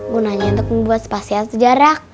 gunanya untuk membuat spasial sejarah